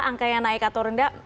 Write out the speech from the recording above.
angka yang naik atau rendah